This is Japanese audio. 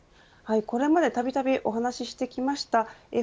これまでたびたびお話してきました